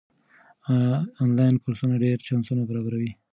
آنلاین کورسونه ډېر چانسونه برابروي.